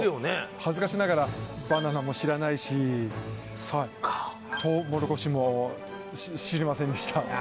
恥ずかしながらバナナも知らないしトウモロコシも知りませんでした